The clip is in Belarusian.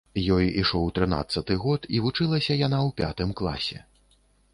Ёй ішоў трынаццаты год, і вучылася яна ў пятым класе.